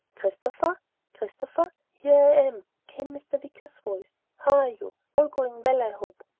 "Christopher? Christopher, here I am," came Mr. Wicker's voice. "How are you? All going well I hope.